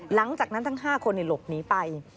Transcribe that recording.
หลังจากนั้นทั้ง๕คนหลบหนีไป